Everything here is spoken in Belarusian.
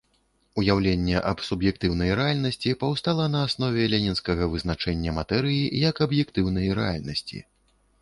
Уяўленне аб суб'ектыўнай рэальнасці паўстала на аснове ленінскага вызначэння матэрыі як аб'ектыўнай рэальнасці.